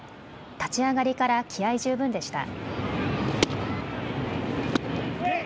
立ち上がりから気合い十分でした。